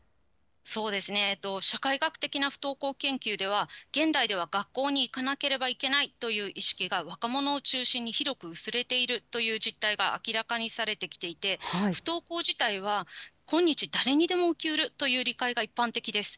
そうですね、社会学的な不登校研究では、現代では学校に行かなければいけないという意識が、若者を中心に広く薄れているという実態が明らかにされてきていて、不登校自体は今日、誰にでも起きうるという理解が一般的です。